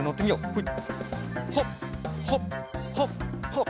ほい。はっはっはっはっ！